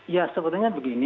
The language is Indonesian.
ya sebetulnya begini